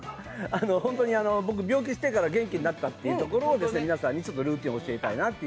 本当に僕、病気してから元気になったっていうところで皆さんにルーティンご紹介したいなと。